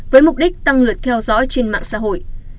với mục đích tăng lượt theo dõi trên mạng xã hội